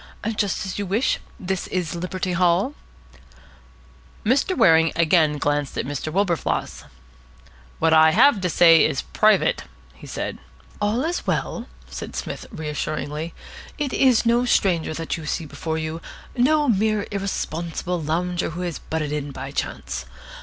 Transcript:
"Just as you wish. This is Liberty Hall." Mr. Waring again glanced at Mr. Wilberfloss. "What I have to say is private," he said. "All is well," said Psmith reassuringly. "It is no stranger that you see before you, no mere irresponsible lounger who has butted in by chance.